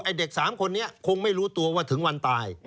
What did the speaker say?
เด็ก๓คนนี้คงไม่รู้ตัวว่าถึงวันตาย